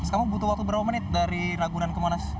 kamu butuh waktu berapa menit dari ragunan ke monas